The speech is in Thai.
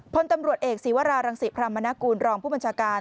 พลตำรวจเอกศีวรารังศิพรรมนากูลรองผู้บัญชาการ